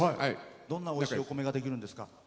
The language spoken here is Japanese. どんなおいしいお米ができるんですか？